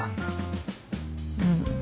うん。